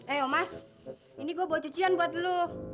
eh om mas ini gua bawa cucian buat lu